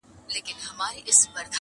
خلک بېلابېلې رسنۍ تعقیبوي